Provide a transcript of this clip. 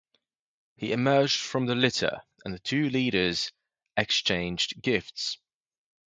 He emerged from the litter and the two leaders exchanged gifts.